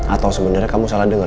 atau sebenarnya kamu salah dengar